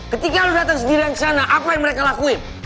ketika lu dateng sendirian kesana apa yang mereka lakuin